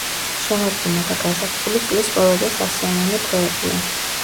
შემოდგომა და გაზაფხული წლის ყველაზე სასიამოვნო თვეებია.